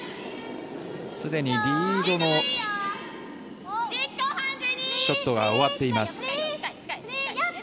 すでにリードのショットが終わっています。